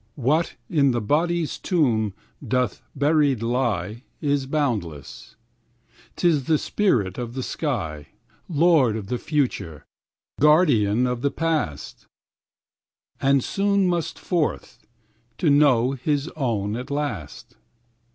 4What in the body's tomb doth buried lie5Is boundless; 'tis the spirit of the sky,6Lord of the future, guardian of the past,7And soon must forth, to know his own at last.